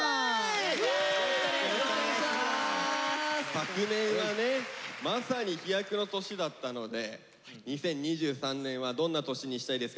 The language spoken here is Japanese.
昨年はねまさに飛躍の年だったので２０２３年はどんな年にしたいですか？